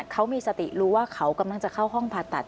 เขามีสติรู้ว่าเขากำลังจะเข้าห้องผ่าตัด